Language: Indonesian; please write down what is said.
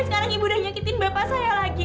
sekarang ibu udah nyakitin bapak saya lagi